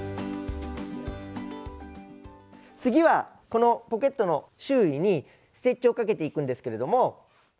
次はこのポケットの周囲にステッチをかけていくんですけれども。